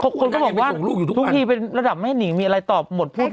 นักก็บอกเดี๋ยวเรากลับมาค่อยตอบ